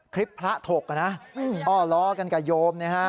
คลิปพระถกนะอ้อล้อกันกับโยมนะฮะ